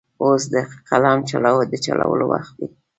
اوس د قلم د چلولو وخت دی.